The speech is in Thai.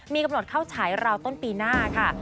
มีกำหนดเข้าฉายราวต้นปีหน้าค่ะ